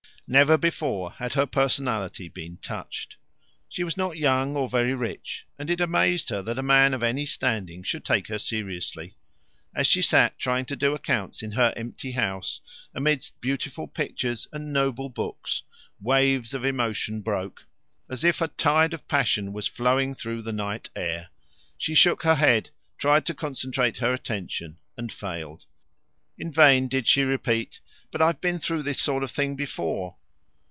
Never before had her personality been touched. She was not young or very rich, and it amazed her that a man of any standing should take her seriously. As she sat trying to do accounts in her empty house, amidst beautiful pictures and noble books, waves of emotion broke, as if a tide of passion was flowing through the night air. She shook her head, tried to concentrate her attention, and failed. In vain did she repeat: "But I've been through this sort of thing before."